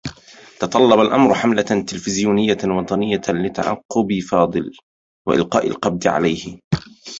تطلّب الأمر حملة تلفزيونية وطنية لتعقّب فاضل و إلقاء القبض عليه.